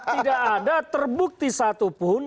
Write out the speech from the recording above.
tidak ada terbukti satupun